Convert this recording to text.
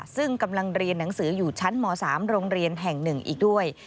ซึ่งกำลังเรียนหนังสืออยู่ชั้นม๓โรงเรียนแห่ง๑อีกด้วย